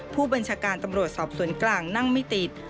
ผู้บัญชาการตำรวจสอบสวนกลางนั่งไม่ติด